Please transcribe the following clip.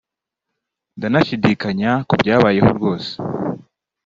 ndanashidikanya ko byabayeho rwose